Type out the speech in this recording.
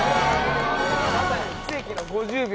まさに奇跡の５０秒。